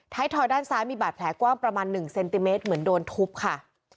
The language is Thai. ทอยด้านซ้ายมีบาดแผลกว้างประมาณ๑เซนติเมตรเหมือนโดนทุบค่ะ